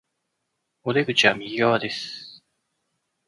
お出口は右側です